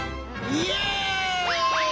イエイ！